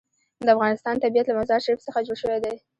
د افغانستان طبیعت له مزارشریف څخه جوړ شوی دی.